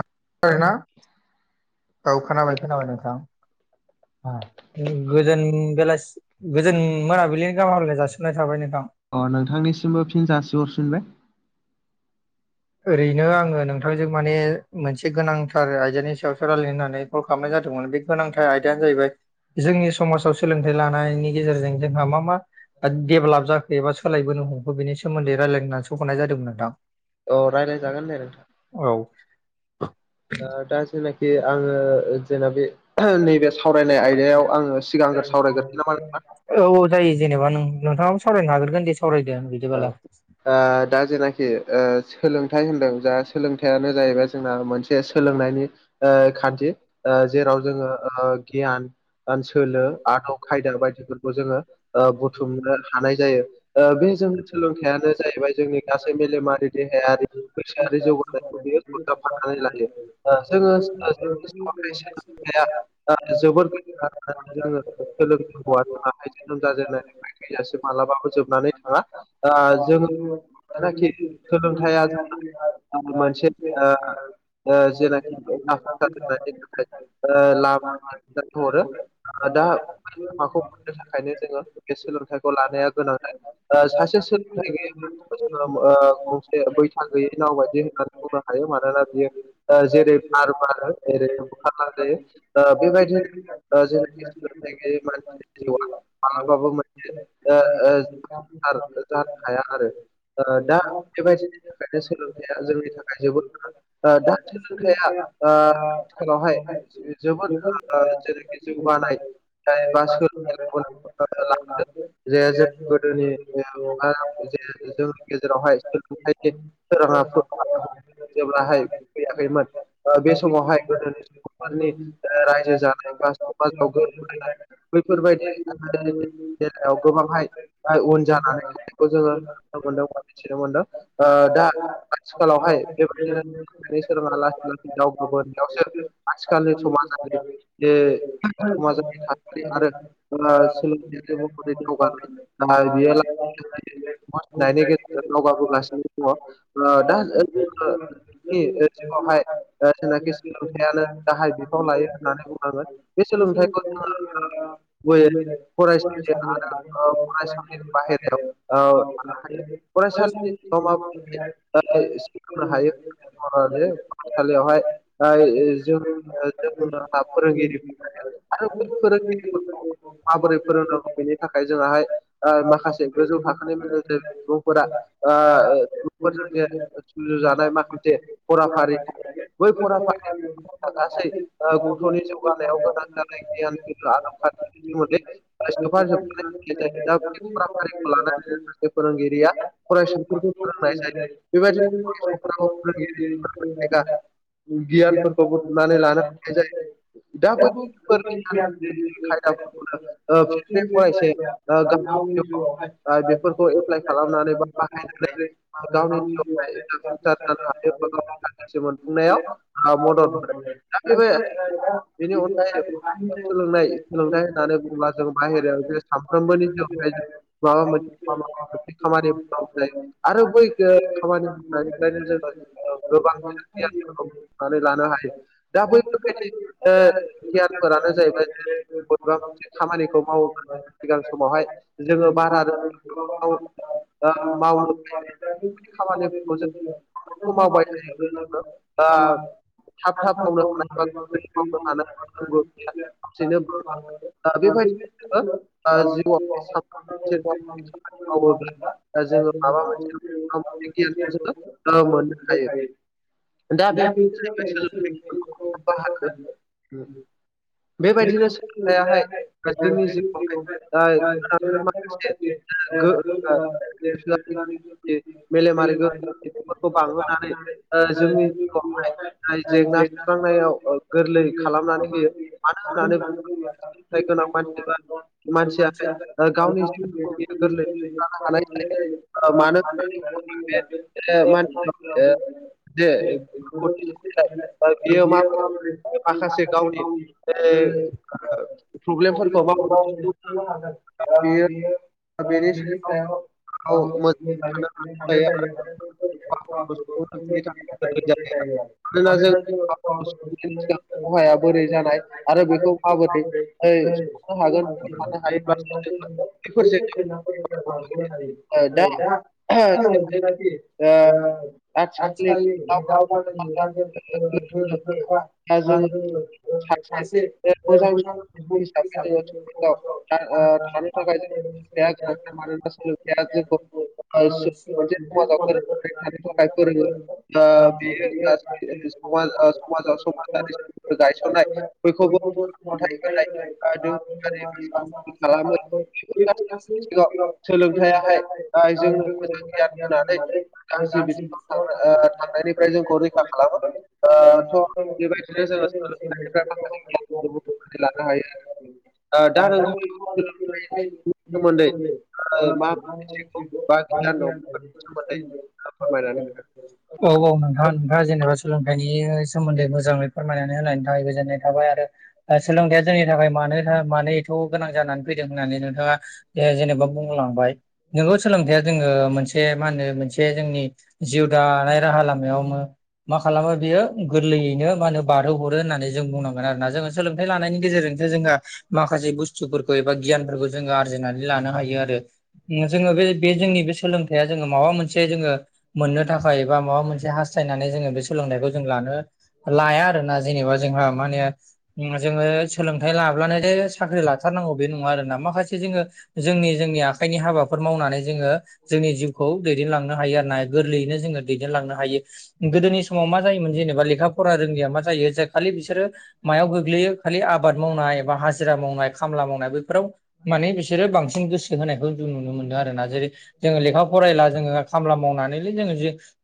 खोनादोंना औ खोनाबाय खोनाबाय नोंथां गोजोन बेलासि गोजोन मोनाबिलिनि गाहाम हामलायनाय जासिहरनाय थाबाय नोंथां अ नोंथांनिसिमबो फिन जासि हरफिनबाय ओरैनो आंङो नोंथांजों माने मोनसे गोनांथार आइदानि सायावसो रायलायनो होननानै कल खालामनाय जादोंमोन बे गोनांथार आयदायानो जाहैबाय जोंनि समाजाव सोलोंथाइ लानायनि गेजेरजों जोंहा मा मा दडेभेलप जाखो एबा सोलायोनो हमखो बिनि सोमोन्दै रायलायनो होननासो हरनाय जादोंमोन नोंथां औ रायलायजागोनदे नोंथां औ दा दा जेनाखि आंङो जेना बे नैबे सावरायनाय आयदायाव आंङो सिगांग्रो सावरायग्रोसोन नामा नोंथां औ औ जायो जेनेबा नों नोंथांङाबो सावरायनो हाग्रोगोन दे सावरायदो औ बिदिबालाय। ओ दा ओ जेनाखि सोलोंथाइ होनदों जा सोलोंथायाइयानो जाहैबाय जोंना मोनसे सोलोंनायनि ओ खान्थि ओ जेराव जोंङो ओ गियान सोलो आदब खायदा बायदिफोरखौ जोंङो ओ बुथुमनो हानाय जायो ओ बे जोंनि सोलोंथायाइआनो जाहैबाय जोंनि गासै मेलेमारि देहायारि गोसोआारि जौगानायखौ बियो सरजाबफाननानै लायो जोंङो [unintelligible] जोबोद जोंङो सोलोंनांगौआ जोनोम जाजेननाय थैजासिम मालाबाबो जोबनानै थाङा ओ जों जोङो जनाखि सोलोंथाइया सोलोंथाया जोंहा जों मोनसे ओ ओ जेनाखि [unintelligible] [unintelligible] ओ लाम हरो दा लामाखौ मोननो थाखायनो जोङो बे सोलोंथाइखौ लानाया गोनांथार ओ सासे सोलोंथाइ गैयि ओ गंसे बैथा गैयै नाव बायदि होननानै बुंनो हायो। मानोना बियो ओ जेरै बार बारो ओरैनो बुखारलांजायो बेबायदिनो। जेनाखि सोलों मानसि जिउआ मालाबाबो मोनसे थार जानो हाया आरो। दा बेबायदिनि थाखायनो सोलोंथाइया जोंनि थाखाय जोबोद गोनां। ओ दा सोलोंथाया ओ आथिखावहाय जोबोद ओ [unintelligible] [unintelligible] बानाय बा जे जों गोदोनि जोंनि [unintelligible] गेजेरावहाय सोलोंथाइनि सोरांङाफोर जेब्लाहाय फैयाखैमोन ओ बे समावहाय गोदोनि [unintelligible] ओ रायजो जानाय बा [unintelligible] [unintelligible] [unintelligible] बैफोरबायदि [unintelligible] बेलायाव गोबांहाय उन जानानै थानायखौ जोङो। मोनदों बा मिथिनो मोनदों ओ दा आथिखालावहाय बेबादिनो। [unintelligible] लासै लासै दावखोबोनायावसो आथिखालनि समाजा गोबां बे समाजारि थासारि आरो सोलोंथायारि महरै दावगानाय। आ बियो ला मोनथिनायनि गेजेरजों दावगाबोगासिनो दङ। ओ दा जोंङो खि ओ सिगाङावहाय जेनाखि सोलोंथाइयानो गाहाय बिफाव लायो होननानै बुंनांगोन। बे सोलोंथाइखौ जोङो गुबैयै [unintelligible] फरायसालि [unintelligible] औ फरायसालि [unintelligible] हायो। ओ बे फरायसालियावहाय ओ जों जों फोरोंगिरिफोर आरो बै फोरोंगिरिफोरखौ माबोरै फोरोंनांगौ बेनि थाखाय जोंआहाय ओ माखासे गोजौ थाखानाय माने ज सुबुंफोरा ओ [unintelligible] सुजुजानाय माखासे फराफारि बै फराफारि गासै ओ गथ'नि जौगानायाव गोनां जानाय गियान आदब खान्थि। [unintelligible] [unintelligible] मानो होनोब्ला फोरोंगिरिया फरायसाफोरखौ फोरोंनाय जायो। बेबायदि बेबायदिनो फरायसाफोराव फोरोंगिरि [unintelligible] गियानफोरखौ बुथुमनानै लानो हानाय जायो। दा बै [unintelligible] ओ फिन बे फरायसाया ओ गा जिउआवहाय [unintelligible] [unintelligible] गावनि खालामनानै बा बाहायनानै [unintelligible] गावनि जिउआवहाय जिउआवजहाय जाफुंसार हायो जानो बा गावनि थांखिसिम मोनफुंनायाव ओ मदद मोनो दा बेबो बेनि अनगायै [unintelligible] [unintelligible] [unintelligible] सोलोंनाय सोलोंथाइ होननानै बुङोब्ला जों बाहेरायाव जे सानफ्रोमबोनि सोलोंथाइ माबा मोनसे माबा। खामानि माव जायो आरो बै खामानि मावनायनिफ्रायनो जोङो गोबां गियानफोरखौ बुथुमनानै लानो हायो दा बैफोर बायदि ओ गियानफोरानो जाहैबाय बबेबा मोनसे खामानिखौ मावोब्ला अनगायै सिगां समावहाय। जोङो बारा [unintelligible] रो बहाबा ओ मावनो [unintelligible] फैयो। मावोबानो दा ‌ बेफोरबायदि खामानिफोरखौ जों मावबाय थायो। ओ थाब थाब मावनो हानाय बा गोबारै मावनो जोङो हानायफोरखौबो सप्तासे मावबाय [unintelligible] बेबायदि जोङो थायोब्ला जिउआव साफ्रोमबो मोनसे नङा मोनसे [inaudible] मावोब्ला जोङो माबा मोनसे नङा माबा मोनसे गियानखौ जोङो मोननो दा हायो दा बे [unintelligible] [unintelligible] सोलोंथायाहाय बेबायदिनो सोलोंथायाहाय जोंनि जिउआवहाय [unintelligible] माखासे गो [unintelligible] मेलेमारि मेलेमा गोख्रैथि बेफोरखौ बांहोनानै जोंनि जिउआवहाय जेंना सुस्रांनायाव ओ गोरलै खालामनानै होयो मानो होननानै [unintelligible] गोनां मानसिफ्रा मानसियाखाय गावनि जिउखौ बे गोरलैयै दानो हानाय मोननाय जायो ओ मानो होननानै बुङोब्ला होना बे [unintelligible] [unintelligible] बियो माबोरै माखासे गावनि जेरै प्रब्लेमफोरखौ माव माबोरै सुफुंनो हागोन दा बेयो बेनि सायाव गाव मोजाङै [unintelligible] खहाफोरखौ सुफुंनो थाखाय गोरलै जायो आरो [unintelligible] जों मानोना जोङो बुस्थुनि सिगां [unintelligible] खहाया बोरै जानाय आरो बेखौ माबोरै सुफुंनो हागोन थानो हायोब्लासो जोङो [unintelligible] बेफोर जेंना दा [unintelligible] बेबायदि ओ आथिखालनि आथिखालनि [unintelligible] दा जोङो सासे [unintelligible] मोजां हिसाबै जोङो समाजाव था- ओ [unintelligible] थानो थाखाय जों सोलोंथाइ [unintelligible] मोनसे सोलोंथाया समाजाव गोरोबनानै थानो थाखाय फोरोङो ओ बेयो समाज ओ समाजाव गायसनाय [unintelligible] बैखौबो [unintelligible] बेफोर गासै सानथि खालामो बिथिङाव बेफोर गासैबो सोलोंथाइयाहाय बिथिङाव ओ सोलोंथायाहाय गोगो ओ मोजां जोंनो मोजां गियान होनानै गाज्रि बिथिङाव थां थांनायनिफ्राय जोंखौ रैखा खालामो ओ थ' बेबायदिनो जोङो [unintelligible] लानो हायो दा नोंथां ओ मा मिथिगौ बा गियान दं [unintelligible] [unintelligible] औ औ नोंथाङा नोंथाङा जेनेबा सोलोंथाइनि सोमोन्दै मोजाङै फोरमायनानै होनायनि थाखाय गोजोननाय थाबाय आरो सोलोंथाइया जोंनि थाखाय मानो मानो एथ' गोनां जानानै फैदों होननानै नोंथाङा जेनेबा बुंलांबाय। नोंगौ सोलोंथाइया जोङो मोनसे मा होनो मोनसे जोंनि जिउ दानाय राहा लामायावनो मा खालामो बियो गोरलैयैनो मा होनो बारहोहरो होननानै जों बुंनांगोन आरो ना जोङो सोलोंथाइ लानायनि गेजेरजोंसो जोंहा माखासे बुस्थुफोरखौ एबा गियानफोरखौ जोङो आरजिनानै लानो हायो आरो। जोङो बे बे जोंनि बे सोलोंथाइया जोङो माबा मोनसे जोङो मोननो थाखाय एबा माबा मोनसे हास्थायनानै जोङो बे सोलोंथाइखौ जों लानो लाया आरोना जेनेबा जोंहा माने जोङो सोलोंथाइ लाब्लानो जे साख्रि लाथारनांगौ बे नङा आरोना माखासे जोङो जोंनि जोंनि आखाइनि हाबाफोर मावनानै जोङो जोंनि जिउ खौ‌ दैदेन लांनो हायो आरो ना गोरलैयैनो जो दैदेन लांनो हायो गोदोनि समाव मा जायोमोन जेनेबा लेखा फरा रोङैया मा जायो जाय खालि बिसोरो मायाव गोग्लैयो खालि आबाद मावनाय एबा हाजिरा मावनाय खामला मावनाय बेैफोराव माने बिसोरो बांसिन गोसो होनायखौ जों नुनो मोनदों आरोना। जेरै जोङो लेखा फरायला जोङो खामला मावनानैलै जोङो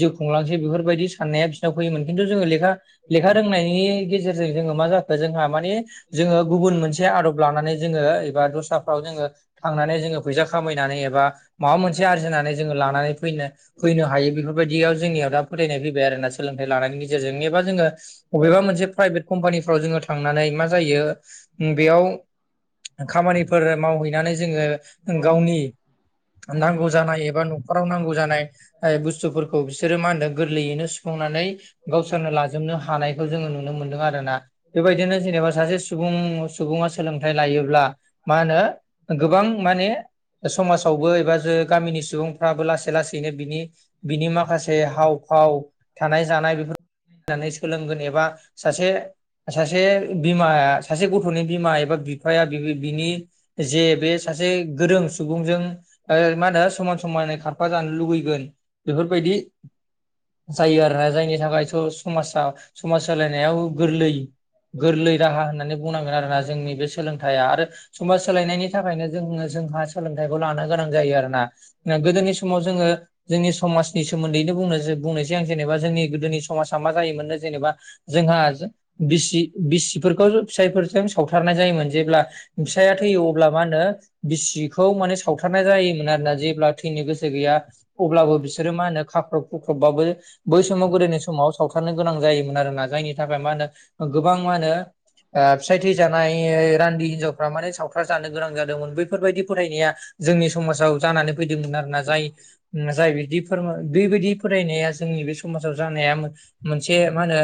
जिउ खुंलांसै बेफोरबायदि साननाया बिनाव फैयोमोन खिन्थु जोङो लेखा लेखा रोंनायनि गेजेरजों खो मा जाखो जोंहा माने जोङो गुबुन मोनसे आदब लानानै जोङो एबा दस्राफ्राव जोङो थांनानै जोङो फैसा खामायनानै एबा माबा मोनसे आरजिनानै जोङो लानानै फैनो फैनो हायो बेफोरबायदियाव जोंनियाव दा फोथायनाय फैबाय आरोना सोलोंथाइ लानायनि गे जेरजों एबा जोङो बबेबा मोनसे प्राइभेट कम्पानिफ्राव जोङो थांनानै मा जायो उम बेयाव खामानिफोर मावहैनानै जोङो गावनि नांगौ जानाय एबा न'खराव नांगौ जानाय ओ बुस्थुफोरखौ बिसोरो मा होनदों गोरलैयैनो सुफुंनानै गावसोरनो लाजोबनो हा हानायखौ जोङो नुनो मोनदों आरोना बेबायदिनो जेनेबा सासे सुबुं सुबुङा सोलोंथाइ लायोब्ला मा होनो गोबां माने समाजावबो एबा जो गामिनि सुबुंफ्राबो लासै लासैनो बिनि बिनि माखासे हाव फाव थानाय जानाय बेफोर नानै सोलोंगोन एबा सासे सासे बिमाया सासे गथ'नि बिमा एबा बिफाया बिनि जे बे सासे गोरों सुबुंजों ओ मा होनो समान समानै खारफा जानो लुुबैगोन बेफोरबायदि जायो आरोना जायनि थाखायथ' समाजा समाज सोलायनायाव गोरलै गोरलै राहा होननानै बुंनांगोन आरोना जोंनि बे सोलोंथाया आरो समाज सोलायनायनि थाखायनो जोङो जोंहा सोलोंथाइखौ लानो गोनां जायो आरोना गोदोनि समाव जोङो जोंनि समाजनि सोमोन्दैनो बुंनो बुंनायसै जों जेनेबा जोंनि गोदोनि समाजा मा जायोमोननो जेनेबा जोंहा बिसि बिसिफोरखौ फिसायफोरजों सावथारनाय जायोमोन जेब्ला फिसाया थैयो अब्ला मा होनो बिसिखौ माने सावथारनाय जायोमोन आरोना जेब्ला थैनो गोसो गैया अब्लाबो बिस सोरो मा होनो खाख्रब खुख्रबबाबो बै समाव गोदोनि समाव सावथारनो गोनां जायोमोन आरोना जायनि थाखाय मा होनो गोबां मा होनो ओ फिसाय थैजानाय रान्दि हिनजावफ्रा माने सावथार जानो गोनां जादोंमोन बैफोरबायदि फोथायनाया जोंनि समाजाव जानानै फैदोंमोन आरोना जाय जाय बिदि फोरमा बेबायदि फोथानाया जोंनि बे समाजाव जानाया मोनसे मा होनो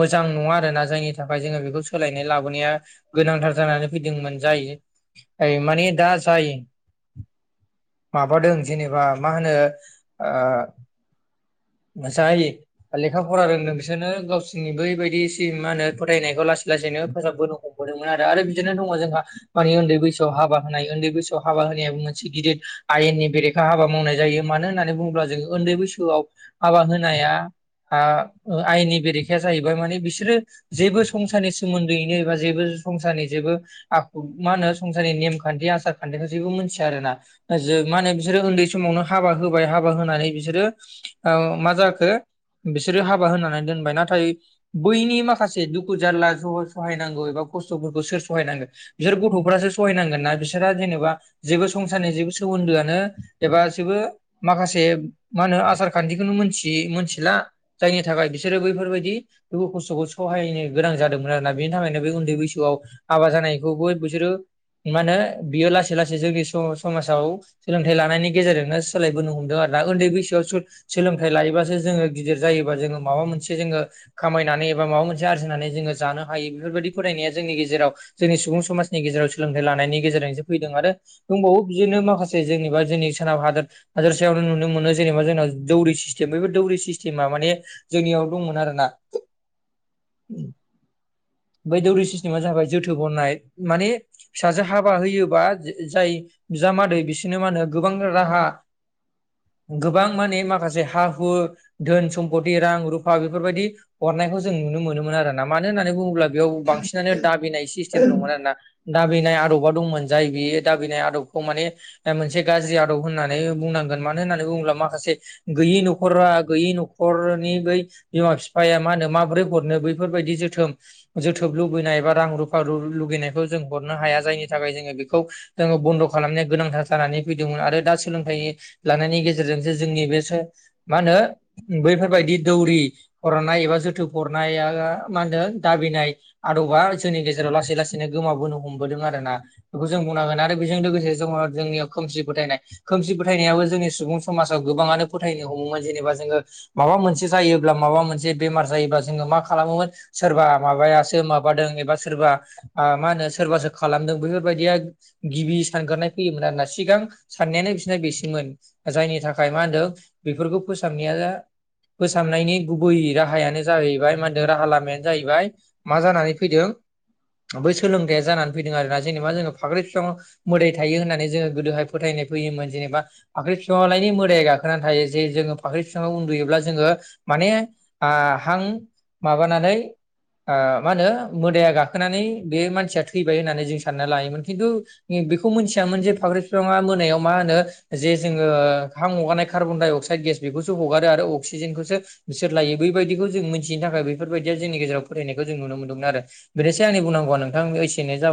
मोजां नङा आरोना जायनि थाखाय जोङो बेखौ सोलायनाय लाबोनाया गोनांथार जानानै फैदोंमोन जाय ओ माने दा जाय माबादों जेनेबा मा होनो ओ जाय लेखा फरा रोंदों बिसोरनो गावसिनि बैबायदि मा होनो फोथायनायखौ लासै लासैनो फोसाबबोनो हमबोदोंमोन आरो बिदिनो दङ जोंहा माने उन्दै बैसोआव हाबा होनाय उन्दै बैसोआव हाबा होनायाबो मोनसे गिदिर आयेननि बेरेखा हाबा मावनाय जायो मानो होननानै बु ब्ला जों उन्दै बैसोआव हाबा होनाया आ आयेननि बेरेखाया जाहैबाय माने बिसोरो जेबो संसारनि सोमोन्दैयैनो एबा जेबो संसारनि जेबो आखु मा होनो संसारनि नेमखान्थि आसार खान्थिखौ जेबो मिथिया आरो ना जों मानो बिसोरो उन्दै समावनो हाबा होबाय हाबा होनानै बिसोरो औ मा जाखो बिसोरो हाबा होनानै दोनबाय नाथाय बैनि माखासे दुखु जारला सह सहायनांगौ एबा खस्थ'फोरखौ सोर सहायनांगोन बिसोर गथ'फोरासो सहायनांगोन ना बिसोरहा जेनेबा जेबो संसारनि जेबो सोमोन्दोआनो एबा जेबो माखासे मा होनो आसार खान्थिखौनो मोनथियि मोनथिला जायनि थाखाय बिसोरो बैफोरबायदि दुखु खस्थ'खौ सहायनो गोनां जादोंमोन आरोना बिनि थाखायनो बे उन बैसोआव हाबा जानायखौबो बिसोरो मा होनो बियो लासै लासै जोंनि सम समाजाव सोलोंथाइ लानायनि गेजेरजोंनो सोलायबोनो हमदों आरोना उन्दै बैसोआव सोलोंथाइ लायोबासो जोङो गिदिर जायोबा जोङो माबा मोनसे जोङो खामायनानै एबा माबा मोनसे आरजिनानै जोङो जानो हायो बेफोरबायदि फरायनाया जोंनि गेजेराव जोंनि सुबुं समाज नि गेजेराव सोलोंथाइ लानायनि गेजेरजोंसो फैदों आरो दंबावो बिदिनो माखासे जोंनिबा जोंनि सोनाब हादोर हादोरसायाव नुनो मोनो जेनेबा जोंनाव दौरि सिस्टेम बेफोर दौरि सिस्टेम टिमा माने जोंनियाव दंमोन आरोना बै दौरि सिस्टेमा जाबाय जोथोब हरनाय माने फिसाजो हाबा होयोबा जाय बिजामादै बिसोरनो मा होनो गोबां राहा गोबां माने माखासे हा हु धोन सम्पति रां रुफा बेफोरबायदि हरनायखौ जों नुनो मोनोमोन आरोना मानो होननानै बुङोब्ला बेयाव बांसिनानो दाबिनाय सिस्टेम दंमोन आरोना दाबिनाय आदबा दंमोन जाय बियो दाबिनाय आदबखौ माने मोनसे गाज्रि आदब होननानै बुंनांगोन मानो होननानै बुङोब्ला माखासे गैयि न'खरा गैयि न'खरनि बै बिमा बिफाया मा होनो मा माब्रै हरनो बैफोरबायदि जोथोब जोथोब लुुबैनाय एबा रां रुफा लुगैनायखौ जों हरनो हाया जायनि थाखाय जोङो बे खौ जोङो बन्द' खालामनाया गोनांथार जानानै फैदोंमोन आरो दा सोलोंथाइ लानायनि गेजेरजोंसो जोंनि बेसो मा होनो बैफोरबायदि दौरि हरनाय एबा जोथोब हरनाया मा होनो दाबिनाय आदबा जोंनि गेजेराव लासै लासै बिदिनो गोमाबोनो हमबोदों आरो ना बेखौ जों बुंनांगोन आरो बेजों लोगोसे दङ जोंनियाव खोमसि फोथायनाय खोमसि फोथायनायाबो जोंनि सुबुं समाजाव गोबाङानो फोथायनो हमोमोन जेनेबा जोङो माबा मोनसे जायोब्ला माबा मोनसे बेमार जायो बा जोङो मा खालामोमोन सोरबा माबायासो माबादों एबा सोरबा मा होनो सोरबासो खालामदों बेफोरबायदिया गिबि सानगारनाय फैयोमोन आरो ना सिगां साननायानो बिसोरना बेसोमोन जायनि थाखाय मा होनदों बेफोरखौ फोसाबनाया फोसाबनायनि गुबै राहायानो जाहैबाय मा होनदों राहा लामाया जाहैबाय मा जानानै फैदों बै सोलोंथाइया जानानै फैदों आरोना जेनेबा जोङो फाख्रि फिफाङाव मोदाय थायो होननानै जोङो गोदोहाय फोथायनाय फैयोमोन जेनेबा फाख्रि फिफाङावलायनो मोदाया गाखोनानै थायो जे जोङो फाख्रि बिफाङाव उन्दुयोब्ला जोङो माने हां माबानानै मा होनो मोदाया गाखोनानै बे मान मानसिया थैबाय होननानै जों सानना लायोमोन खिन्थु बेखौ मिथियामोन जे फाख्रि बिफाङा मोनायाव मा होनो जे जोङो हां हगारनायखो कार्बन डाइअक्साइड गेस बेखौसो हगारो आरो अक्सिजेनखौसो बिसोर लायो बैबायदिखौ जों मोनथि बेनि थाखाय बेफोरबायदिया जोंनि गेजेराव फोथायनायखौ जों नुनो मोनदोंमोन आरो बेनोसै आंनि बुंनांगौवा नोंथां एसेनो जाबाय